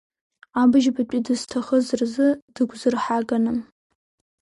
Абыжьбатәи дызҭахыз рзы дыгәзырҳаганы!